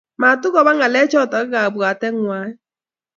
Matukopa ng'alechotok ak kapwateng ng'wahi